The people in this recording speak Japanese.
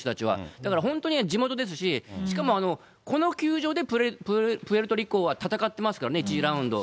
だから本当に地元ですし、しかもこの球場でプエルトリコは戦ってますからね、１次ラウンド。